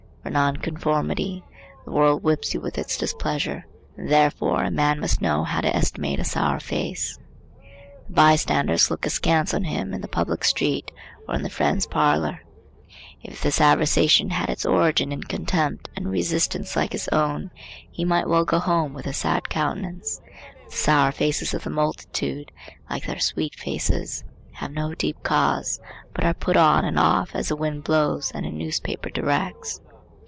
For nonconformity the world whips you with its displeasure. And therefore a man must know how to estimate a sour face. The by standers look askance on him in the public street or in the friend's parlor. If this aversation had its origin in contempt and resistance like his own he might well go home with a sad countenance; but the sour faces of the multitude, like their sweet faces, have no deep cause, but are put on and off as the wind blows and a newspaper directs.